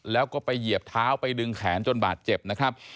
แล้วก็ไปเหยียบเท้าไปดึงแขนจนบาดเจ็บนะครับ